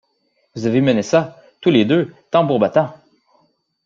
Vous avez mené ça, tous les deux, tambour battant!